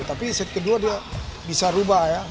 tapi set kedua dia bisa rubah ya